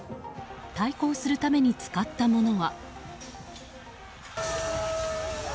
対抗するために使ったものは。